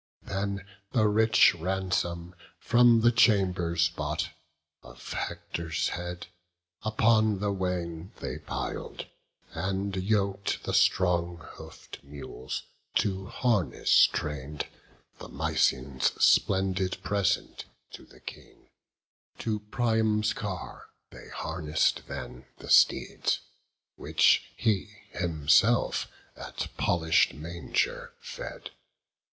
Then the rich ransom, from the chambers brought, Of Hector's head, upon the wain they pil'd; And yok'd the strong hoof'd mules, to harness train'd, The Mysians' splendid present to the King: To Priam's car they harness'd then the steeds, Which he himself at polish'd manger fed.